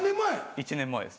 １年前です。